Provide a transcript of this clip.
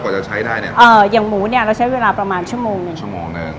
จะใช้ได้เนี้ยเอ่ออย่างหมูเนี้ยเราใช้เวลาประมาณชั่วโมงหนึ่งชั่วโมงหนึ่ง